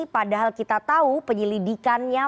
padahal kita tahu penyelidikannya